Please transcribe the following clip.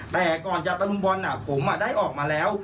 แต่ก่อนจะตะลุมบอลผมได้ออกมาแล้ว